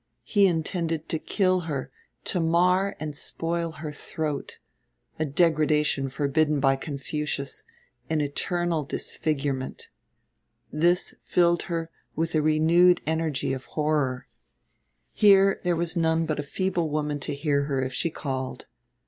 He intended to kill her, to mar and spoil her throat, a degradation forbidden by Confucius, an eternal disfigurement. This filled her with a renewed energy of horror.... Here there was none but a feeble woman to hear her if she called.